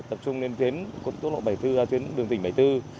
tập trung lên tuyến lộ một trăm bảy mươi bốn tuyến đường tỉnh lộ một trăm bảy mươi bốn